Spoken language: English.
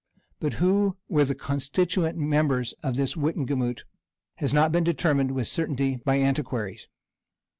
But who were the constituent members of this wittenagemot has not been determined with certainty by antiquaries.